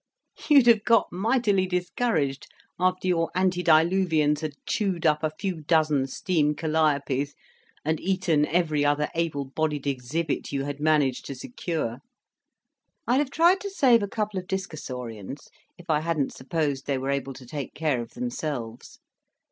You'd have got mightily discouraged after your Antediluvians had chewed up a few dozen steam calliopes, and eaten every other able bodied exhibit you had managed to secure. I'd have tried to save a couple of Discosaurians if I hadn't supposed they were able to take care of themselves.